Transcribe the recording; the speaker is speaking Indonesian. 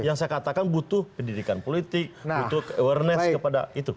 yang saya katakan butuh pendidikan politik butuh awareness kepada itu